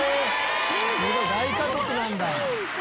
すごい大家族なんだ。